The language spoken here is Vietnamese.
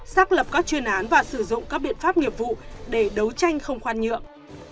xác lập các chuyên án và sử dụng các biện pháp nghiệp vụ để đấu tranh không khoan nhượng